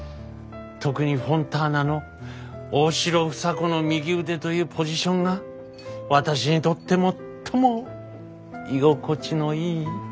特にフォンターナの大城房子の右腕というポジションが私にとって最も居心地のいい居場所でした。